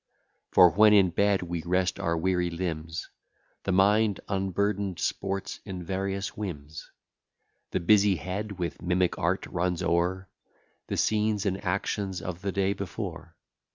For when in bed we rest our weary limbs, The mind unburden'd sports in various whims; The busy head with mimic art runs o'er The scenes and actions of the day before.